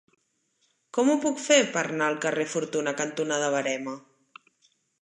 Com ho puc fer per anar al carrer Fortuna cantonada Verema?